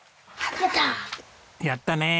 やったー！